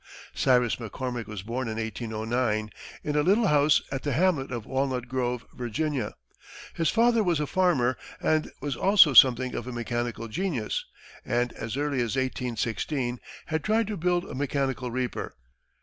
Cyrus McCormick was born in 1809, in a little house at the hamlet of Walnut Grove, Virginia. His father was a farmer, and was also something of a mechanical genius, and as early as 1816, had tried to build a mechanical reaper.